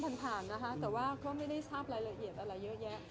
ผ่านผ่านนะคะแต่ว่าก็ไม่ได้ทราบรายละเอียดอะไรเยอะแยะ